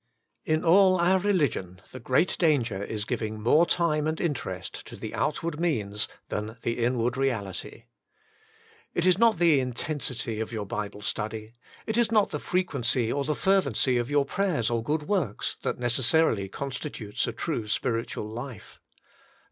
In all our religion the great danger is giving more time and interest to the outward means than the inward reality. It is not the intensity of your The Inward and the Outward 119 Bible study, it is not the frequency or the fervency of your prayers or good works, that necessarily constitutes a true spiritual life.